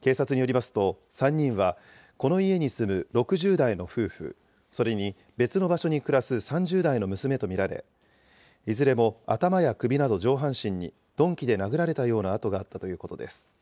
警察によりますと、３人はこの家に住む６０代の夫婦、それに別の場所に暮らす３０代の娘と見られ、いずれも頭や首など上半身に鈍器で殴られたような痕があったということです。